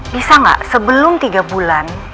bisa nggak sebelum tiga bulan